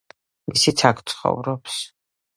ისიც აქ ცხოვრობს.